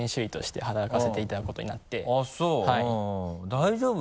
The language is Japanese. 大丈夫？